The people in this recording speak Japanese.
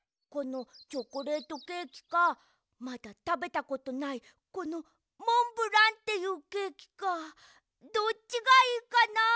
このチョコレートケーキかまだたべたことないこのモンブランっていうケーキかどっちがいいかな？